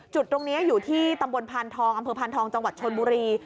จุดตรงนี้อยู่ที่ตำบลพานทองอำเภอพานทองจังหวัดชนบุรี